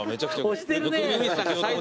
推してるね。